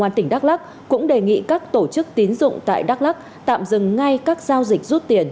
công an tỉnh đắk lắc cũng đề nghị các tổ chức tín dụng tại đắk lắc tạm dừng ngay các giao dịch rút tiền